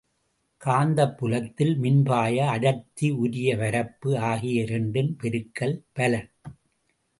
காந்தப்புலத்தில் மின்பாய அடர்த்தி, உரிய பரப்பு ஆகிய இரண்டின் பெருக்கல் பலன்.